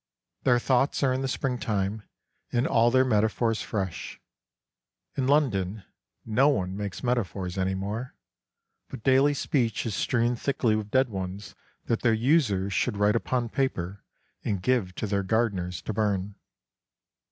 Their thoughts are in the spring time, and all their metaphors fresh: in London no one makes metaphors any more, but daily speech is strewn thickly with dead ones that their users should write upon paper and give to their gardeners to burn.